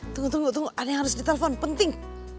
tunggu tunggu tunggu ada yang harus ditelepon penting